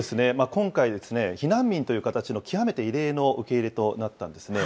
今回、避難民という形の極めて異例の受け入れとなったんですね。